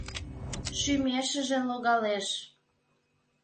Шӱмешыже логалеш.